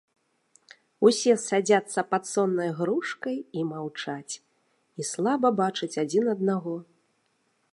Усе садзяцца пад соннай грушкай і маўчаць і слаба бачаць адзін аднаго.